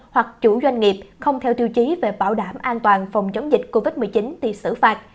hoặc chủ doanh nghiệp không theo tiêu chí về bảo đảm an toàn phòng chống dịch covid một mươi chín thì xử phạt